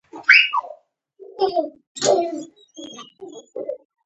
سوله او یووالی د انسانیت د بقا او نیکمرغۍ لاره ده.